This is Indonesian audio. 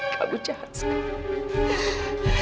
kamu jahat sekali